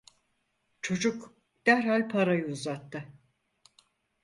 Çocuk derhal parayı uzattı.